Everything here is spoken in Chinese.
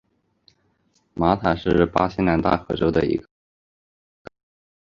马塔是巴西南大河州的一个市镇。